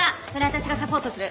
私がサポートする。